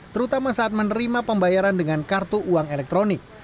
terutama saat menerima pembayaran dengan kartu uang elektronik